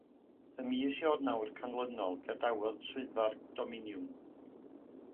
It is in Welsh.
Y mis Ionawr canlynol, gadawodd Swyddfa'r Dominiwn.